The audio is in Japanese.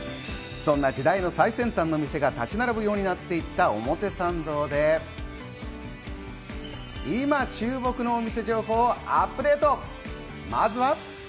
そんな時代の最先端の店が立ち並ぶようになっていた表参道で、今、注目のお店情報をアップデート！